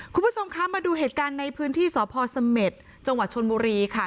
เคุณผู้ชมคะมาดูเหตุการณ์ในพื้นที่สภสำเมจจชนมุรีค่ะ